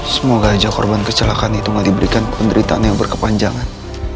semoga aja korban kecelakaan itu diberikan penderitaan yang berkepanjangan